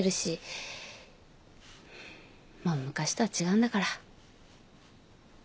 もう昔とは違うんだから。